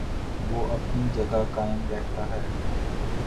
وہ اپنی جگہ قائم رہتا ہے۔